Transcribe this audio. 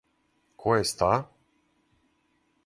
Ко је ста?